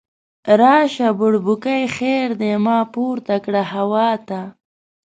راشه بړبوکۍ خیر دی، ما پورته کړه هوا ته